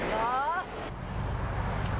หรอ